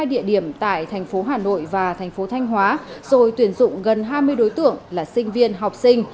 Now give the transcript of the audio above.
hai địa điểm tại thành phố hà nội và thành phố thanh hóa rồi tuyển dụng gần hai mươi đối tượng là sinh viên học sinh